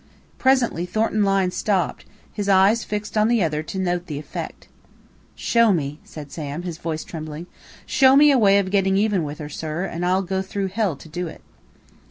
Presently Thornton Lyne stopped, his eyes fixed on the other to note the effect. "Show me," said Sam, his voice trembling. "Show me a way of getting even with her, sir, and I'll go through hell to do it!"